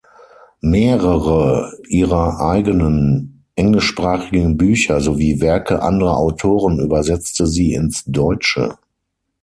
Mehrere ihrer eigenen englischsprachigen Bücher sowie Werke anderer Autoren übersetzte sie ins Deutsche.